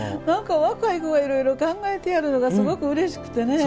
若い子がいろいろ考えてはるのがすごく、うれしくてね。